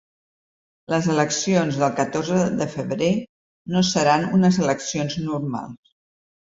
Les eleccions del catorze de febrer no seran unes eleccions normals.